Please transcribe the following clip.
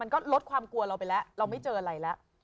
ก็ลดความกลัวเราไปแล้วเราไม่เจออะไรแล้ว